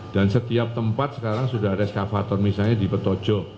dan setiap tempat sekarang sudah ada eskavator misalnya di petojo